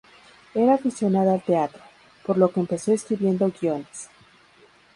Era aficionada al teatro, por lo que empezó escribiendo guiones.